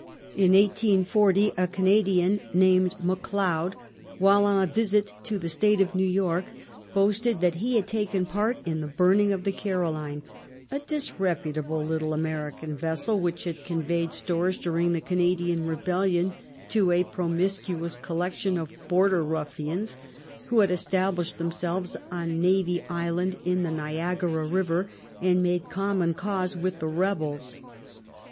In 1840 a Canadian named McLeod, while on a visit to the State of New York, boasted that he had taken part in the burning of the Caroline, a disreputable little American vessel which had conveyed stores during the Canadian rebellion to a promiscuous collection of border ruffians, who had established them selves on Navy Island in the Niagara river, and made common cause with the rebels.